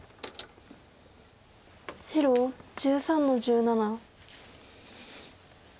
白１３の十七。